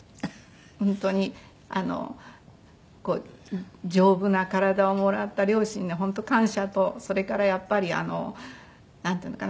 本当に丈夫な体をもらった両親に本当感謝とそれからやっぱりなんて言うのかな。